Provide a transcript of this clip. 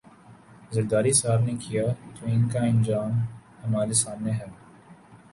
زرداری صاحب نے کیا تو ان کا انجام ہمارے سامنے ہے۔